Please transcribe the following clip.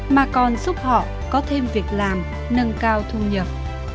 mà còn giúp họ có thêm việc làm nâng cao thu nhập